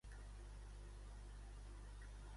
Saps si es pot sortir de Gavà, o hi ha molt de tràfic?